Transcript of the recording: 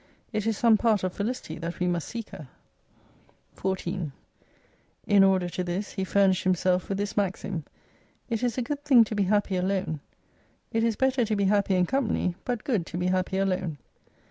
It is some part of Felicity that we must seek her. 14 In order to this, he furnished himself with this maxim : It is a good thing to be happy alone. It is better to be happy in company, but good to be happy alone.